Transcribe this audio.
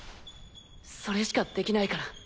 それしかできないから。